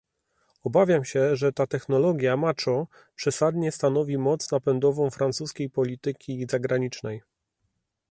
Obawiam się, że ta technologia macho przesadnie stanowi moc napędową francuskiej polityki zagranicznej